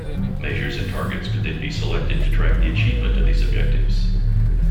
Measures and targets could then be selected to track the achievement of these objectives.